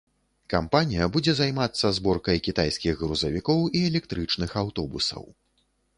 Кампанія будзе займацца зборкай кітайскіх грузавікоў і электрычных аўтобусаў.